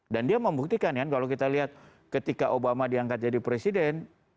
dan dia membuktikan kan kalau kita lihat ketika obama diangkat jadi presiden